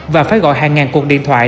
và phải gọi hàng ngàn cuộc điện thoại